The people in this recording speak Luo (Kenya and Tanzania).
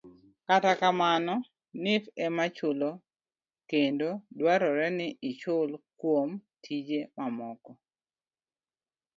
Kata kamano, nhif ema chulo kendo dwarore ni ichul kuom tije mamoko.